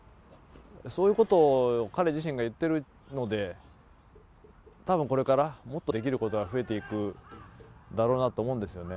そういうことを彼自身が言っているので、たぶんこれから、もっとできることが増えていくだろうなと思うんですよね。